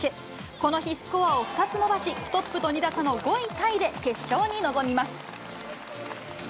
この日、スコアを２つ伸ばし、トップと２打差の５位タイで決勝に臨みます。